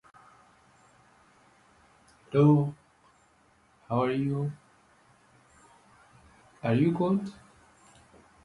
The plant brought more people and jobs to the city.